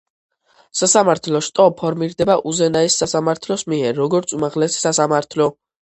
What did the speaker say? სასამართლო შტო ფორმირდება უზენაესი სასამართლოს მიერ, როგორც უმაღლესი სასამართლო.